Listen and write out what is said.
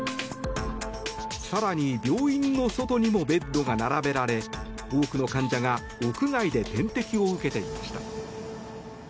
更に、病院の外にもベッドが並べられ多くの患者が屋外で点滴を受けていました。